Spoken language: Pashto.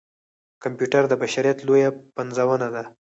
کمپیوټر د بشريت لويه پنځونه ده.